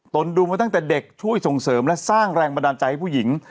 ดูมาตั้งแต่เด็กช่วยส่งเสริมและสร้างแรงบันดาลใจให้ผู้หญิง